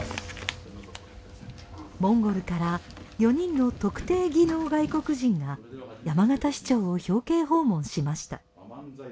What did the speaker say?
モンゴルから４人の特定技能外国人が山形市長を表敬訪問しました。